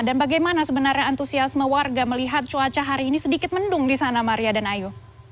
dan bagaimana sebenarnya antusiasme warga melihat cuaca hari ini sedikit mendung di sana maria dan ayu